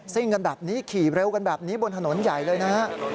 ่งกันแบบนี้ขี่เร็วกันแบบนี้บนถนนใหญ่เลยนะฮะ